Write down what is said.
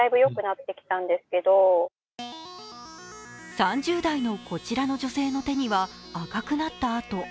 ３０代のこちらの女性の手には赤くなった痕。